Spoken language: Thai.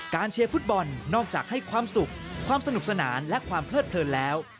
เชียร์ฟุตบอลนอกจากให้ความสุขความสนุกสนานและความเพลิดเพลินแล้ว